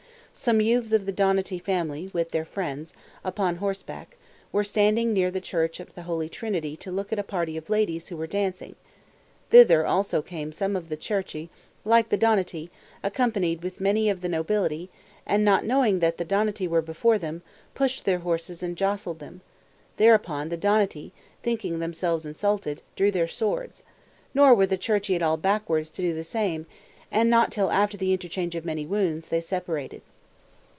Some youths of the Donati family, with their friends, upon horseback, were standing near the church of the Holy Trinity to look at a party of ladies who were dancing; thither also came some of the Cerchi, like the Donati, accompanied with many of the nobility, and, not knowing that the Donati were before them, pushed their horses and jostled them; thereupon the Donati, thinking themselves insulted, drew their swords, nor were the Cerchi at all backward to do the same, and not till after the interchange of many wounds, they separated.